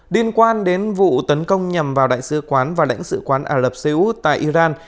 điên quan đến vụ tấn công nhằm vào đại sứ quán và đảng sứ quán ả rập xê ú tại iran